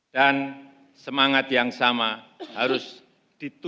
dan semangat yang sama harus dihadapi